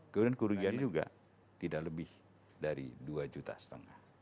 kemudian kerugiannya juga tidak lebih dari dua juta setengah